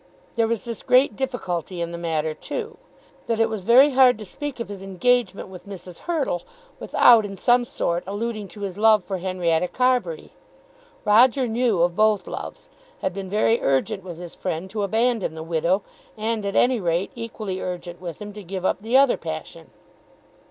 There was this difficulty in the matter, too, that it was very hard to speak of his engagement with Mrs. Hurtle without in some sort alluding to his love for Henrietta Carbury. Roger knew of both loves; had been very urgent with his friend to abandon the widow, and at any rate equally urgent with him to give up the other passion.